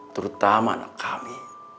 terutama anak kami